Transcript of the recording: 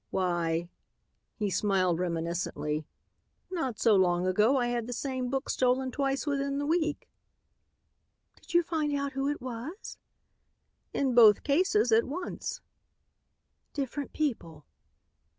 "Why," he smiled reminiscently, "not so long ago I had the same book stolen twice within the week." "Did you find out who it was?" "In both cases, at once." "Different people."